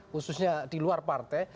khususnya di luar partai